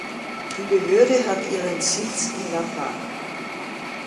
Die Behörde hat ihren Sitz in La Paz.